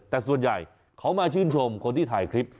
แต่ส่วนใหญ่เขามาชื่นชมคนที่ถ่ายคลิป